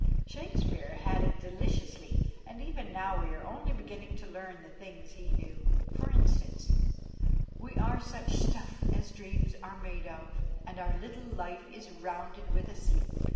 Shakespeare had it deliciously, and even now we are only beginning to learn the things he knew. For instance "We are such stuff as dreams are made of, And our little life is rounded with a sleep."